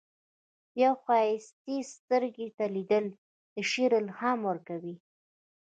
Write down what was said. یوې ښایستې سترګې ته لیدل، د شعر الهام ورکوي.